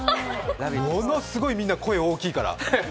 ものすごいみんな、声大きいから。